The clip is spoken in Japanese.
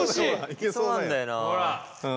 いけそうなんだよな。